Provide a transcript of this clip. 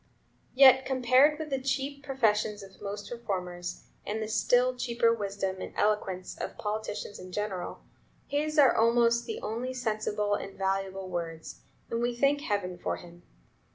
Yet compared with the cheap professions of most reformers, and the still cheaper wisdom and eloquence of politicians in general, his are almost the only sensible and valuable words, and we thank heaven for him.